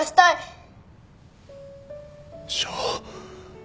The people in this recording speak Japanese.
翔。